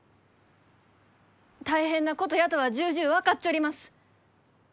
大変なことやとは重々分かっちょります。